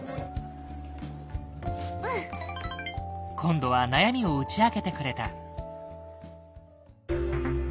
今度は悩みを打ち明けてくれた。